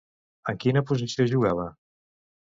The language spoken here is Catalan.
En quina posició jugava?